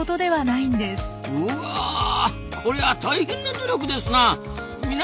うわこりゃ大変な努力ですな。